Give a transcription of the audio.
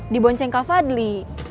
di boncengka fadli